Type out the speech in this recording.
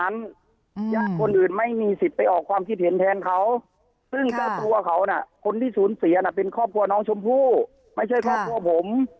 คนอื่นไม่มีสิทธิ์ไปออกความคิดเห็นแทนเขาซึ่งเจ้าตัวเขาน่ะคนที่สูญเสียน่ะเป็นครอบครัวน้องชมพู่ไม่ใช่ครอบครัวผม